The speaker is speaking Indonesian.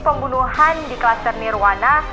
pembunuhan di kluster nirwana